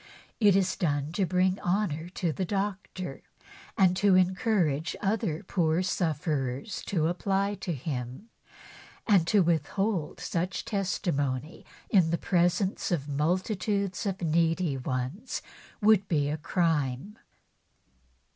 It is done to bring honour to the doctor, and to encourage other poor sufferers to apply to him ; and to withhold such testimony in the presence of multitudes of needy ones would be a crime.